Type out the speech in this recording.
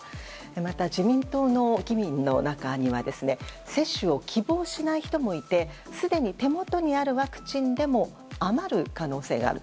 また自民党の議員の中には接種を希望しない人もいてすでに手元にあるワクチンでも余る可能性がある。